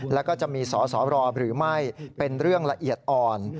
แล้วก็จะมีสอสอรอหรือไม่เป็นเรื่องละเอียดอ่อน